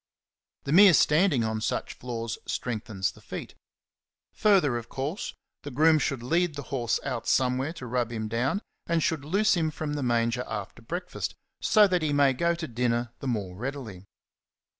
The mere standing on such floors strengthens the feet. Further, of course, the groom should lead the horse out somewhere to rub him down, and should loose him from the manger after breakfast, so that he may go to dinner the more readily.